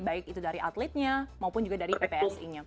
baik itu dari atletnya maupun juga dari ppsi nya